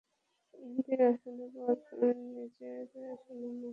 এমপির আসন পাওয়ার সময় নিজের সুনাম নষ্ট করবে না।